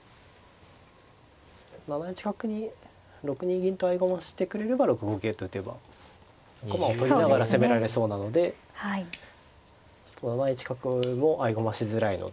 ７一角に６二銀と合駒してくれれば６五桂と打てば駒を取りながら攻められそうなので７一角も合駒しづらいので。